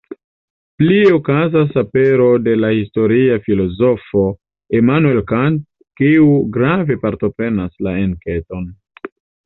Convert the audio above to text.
Plie okazas apero de la historia filozofo Immanuel Kant, kiu grave partoprenas la enketon.